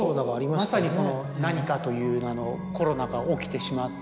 まさにその「何か」という名のコロナが起きてしまって。